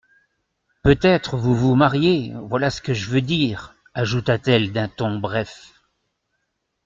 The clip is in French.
Peut-être vous vous mariez, voilà ce que je veux dire, ajouta-t-elle d'un ton bref.